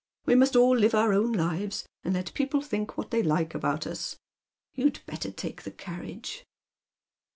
\Vq must all live our own lives, and let people think what they like about us. You'd better take the carriage."